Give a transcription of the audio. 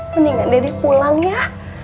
mendingan dede pulang ya